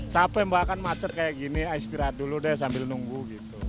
capek mbak kan macet kayak gini istirahat dulu deh sambil nunggu gitu